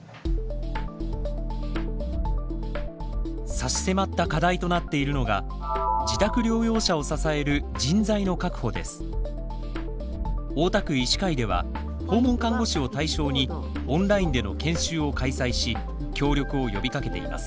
差し迫った課題となっているのが大田区医師会では訪問看護師を対象にオンラインでの研修を開催し協力を呼びかけています。